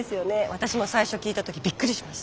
私も最初聞いた時びっくりしました。